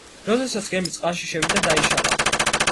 როდესაც გემი წყალში შევიდა, დაიშალა.